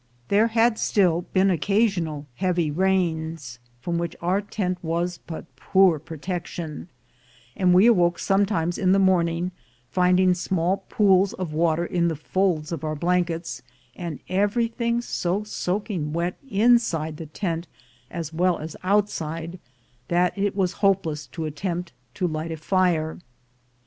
There had still been occasional hea%y rains, from which our tent was but poor protection, and we awoke sometimes in the morning, finding small pools of water in the folds of our blankets, and everything so soaking wet, inside the tent as well as outside, that it was hopeless to attempt to light a fire.